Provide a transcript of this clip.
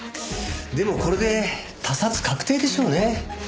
でもこれで他殺確定でしょうね。